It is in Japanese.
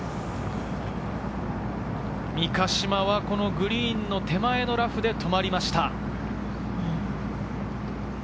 三ヶ島はグリーンの手前のラフで止まりました。